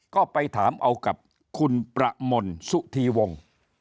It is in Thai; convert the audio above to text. ก็ไปถามเอากับคุณประมลสุธีวงศ์